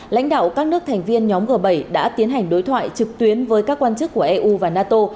lãnh đạo các nước thành viên nhóm g bảy đã tiến hành đối thoại trực tuyến với các quan chức của eu và nato